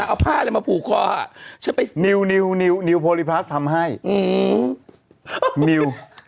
เอาผ้ามาผูกคออ่ะนิ้วนิ้วนิ้วพรีปลาสทำให้มิว